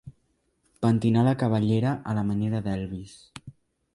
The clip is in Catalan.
Pentinar la cabellera a la manera d'Elvis.